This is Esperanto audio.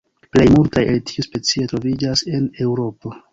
Plej multaj el tiuj specioj troviĝas en Eŭropo.